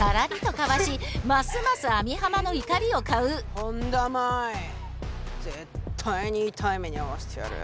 本田麻衣絶対に痛い目に遭わせてやる。